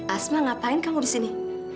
asma ngapain kamu di sini